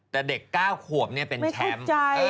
แต่เด็ก๙ขวบเป็นแชมป์